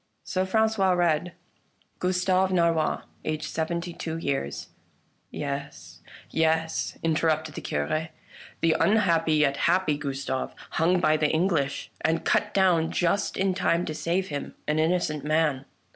So Francois read :" Gustave Narrois, aged seventy two years "" Yes, yes," interrupted the Cure, " the unhappy yet happy Gustave, hung by the English, and cut down just in time to save him — an innocent man.